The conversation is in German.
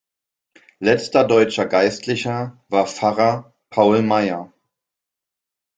Letzter deutscher Geistlicher war Pfarrer "Paul Meyer".